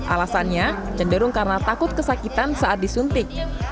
alasannya cenderung karena takut kesakitan saat disuntik